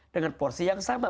dengan porsi yang sama